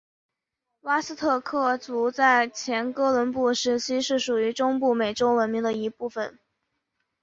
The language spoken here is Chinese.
瓦斯特克族在前哥伦布时期是属于中部美洲文明的一部份。